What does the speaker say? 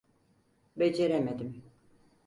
Beceremedim.